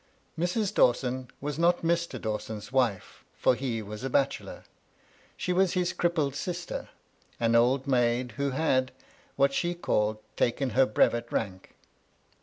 Mrs. Dawson was not Mr. Dawson's wife, for he was a bachelor. She was his crippled sister, an old maid, who had, what she called, taken her brevet rank.